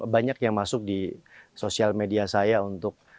banyak yang masuk di sosial media saya untuk